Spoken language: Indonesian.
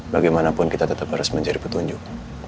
bagaimanapun kita tetap harus mencari petunjuk